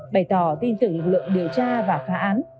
bày tỏ tin tưởng lực lượng điều tra và phá án